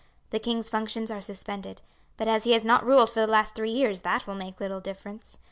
The king's functions are suspended, but as he has not ruled for the last three years that will make little difference.